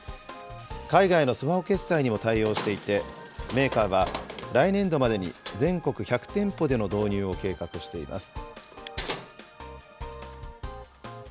海外のスマホ決済にも対応していて、メーカーは、来年度までに全国１００店舗での導入を計画しています。